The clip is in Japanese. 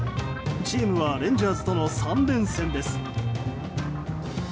チームはレンジャーズとの３連戦です。